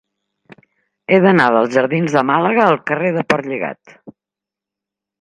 He d'anar dels jardins de Màlaga al carrer de Portlligat.